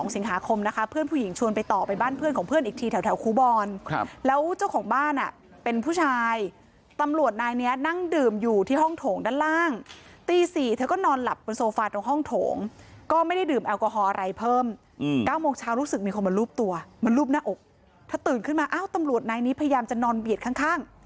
สิงหาคมนะคะเพื่อนผู้หญิงชวนไปต่อไปบ้านเพื่อนของเพื่อนอีกทีแถวครูบอลแล้วเจ้าของบ้านเป็นผู้ชายตำรวจนายนี้นั่งดื่มอยู่ที่ห้องโถงด้านล่างตี๔เธอก็นอนหลับบนโซฟาตรงห้องโถงก็ไม่ได้ดื่มแอลกอฮอลอะไรเพิ่ม๙โมงเช้ารู้สึกมีคนมารูปตัวมารูปหน้าอกถ้าตื่นขึ้นมาอ้าวตำรวจนายนี้พยายามจะนอนเบียดข้าง